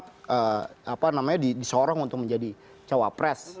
tapi itu juga bisa disorong untuk menjadi cawapres